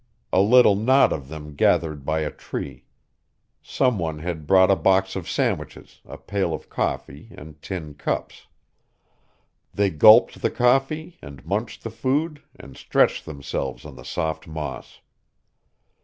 A little knot of them gathered by a tree. Some one had brought a box of sandwiches, a pail of coffee and tin cups. They gulped the coffee and munched the food and stretched themselves on the soft moss.